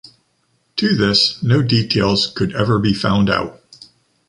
To this, no details could ever be found out.